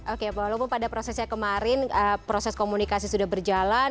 oke walaupun pada prosesnya kemarin proses komunikasi sudah berjalan